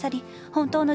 本当の？